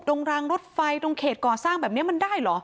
รางรถไฟตรงเขตก่อสร้างแบบนี้มันได้เหรอ